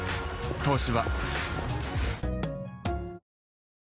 「東芝」